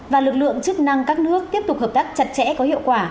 và lực lượng chức năng các nước tiếp tục hợp tác chặt chẽ có hiệu quả